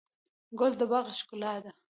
ګل د باغ ښکلا ده.